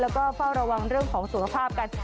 แล้วก็เฝ้าระวังเรื่องของสุขภาพกัน